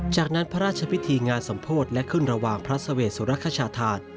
จากนั้นพระราชพิธีงานสมโพธิและขึ้นระหว่างพระเสวสุรคชาธาต